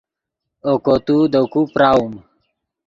اوکو تو دے کو پراؤم